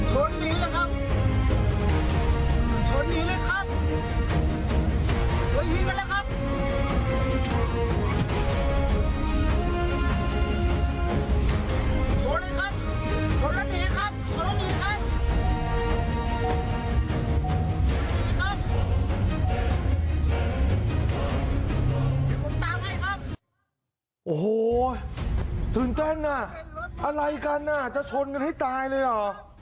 โอ้โหตื่นเต้นน่ะอะไรกันอ่ะจะชนกันให้ตายเลยเหรอ